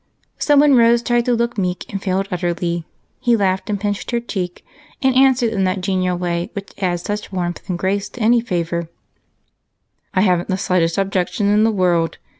So w^hen Rose tried to look meek and failed utterly, he 262 EIGHT COUSINS. laughed and pinched her cheek, and answered in that genial way which adds such warmth and grace to any favor, —" I have n't the slightest objection in the world.